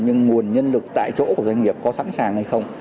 nhưng nguồn nhân lực tại chỗ của doanh nghiệp có sẵn sàng hay không